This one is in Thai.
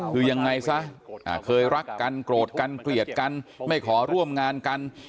คือยังไงซะเคยรักกันโกรธกันเกลียดกันไม่ขอร่วมงานกัน